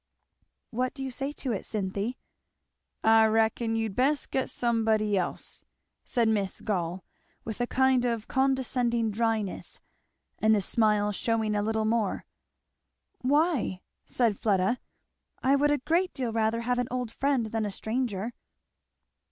"What do you say to it, Cynthy?" "I reckon you'd best get somebody else," said Miss Gall with a kind of condescending dryness, and the smile shewing a little more. "Why?" said Fleda, "I would a great deal rather have an old friend than a stranger."